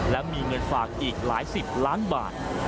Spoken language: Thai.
และมีเงินฝากอีกหลายสิบล้านบาท